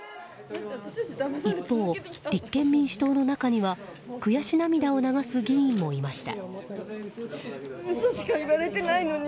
一方、立憲民主党の中には悔し涙を流す議員もいました。